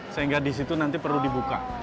sehingga disitu nanti perlu dibuka